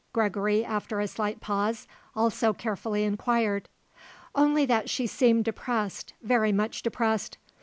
Gregory, after a slight pause, also carefully inquired. "Only that she seemed depressed, very much depressed.